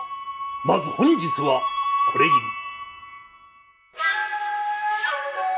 まず本日はこれぎり。